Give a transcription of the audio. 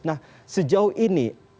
nah sejauh ini